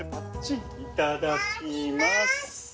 いただきます。